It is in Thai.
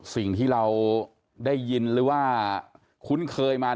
สิ่งที่เราได้ยินหรือว่าคุ้นเคยมา